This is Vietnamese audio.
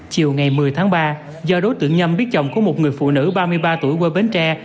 chiều ngày một mươi tháng ba do đối tượng nhâm biết chồng của một người phụ nữ ba mươi ba tuổi quê bến tre